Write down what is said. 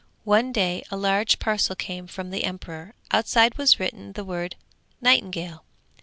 One day a large parcel came for the emperor; outside was written the word 'Nightingale.'